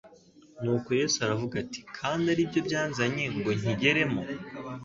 Nuko Yesu aravuga ati: "Kandi ari byo byanzanye ngo nkigeremo?